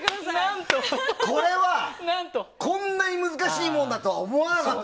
これはこんなに難しいものだとは思わなかった！